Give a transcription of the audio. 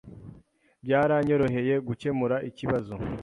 Byaranyoroheye gukemura ikibazo.